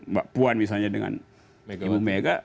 mbak puan misalnya dengan ibu mega